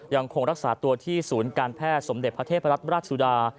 ยังคงรักษาตัวที่ศูนย์การแพทย์สมเด็จพระเทพรัฐราชสุดา